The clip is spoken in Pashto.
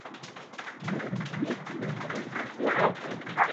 ځان د مرګي غیږي ته مه ورکوی خپل په لاس !.